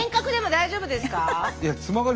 大丈夫です。